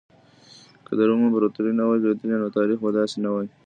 که د روم امپراطورۍ نه وای لوېدلې نو تاريخ به داسې نه وای.